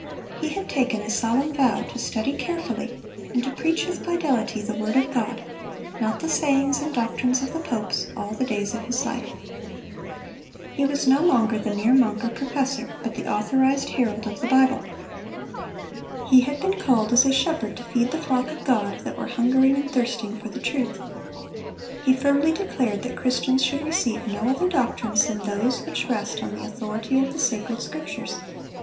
He had taken a solemn vow to study carefully and to preach with fidelity the word of God, not the sayings and doctrines of the popes, all the days of his life. He was no longer the mere monk or professor, but the authorized herald of the Bible. He had been called as a shepherd to feed the flock of God, that were hungering and thirsting for the truth. He firmly declared that Christians should receive no other doctrines than those which rest on the authority of the Sacred Scriptures.